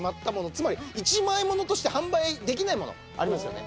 つまり１枚ものとして販売できないものありますよね。